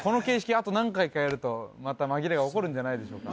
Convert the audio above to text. あと何回かやるとまた紛れが起こるんじゃないですか